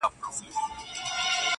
نن مي بيا ټوله شپه.